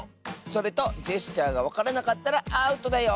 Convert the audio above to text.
それとジェスチャーがわからなかったらアウトだよ！